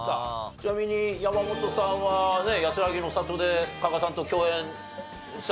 ちなみに山本さんはね『やすらぎの郷』で加賀さんと共演したんでしょ？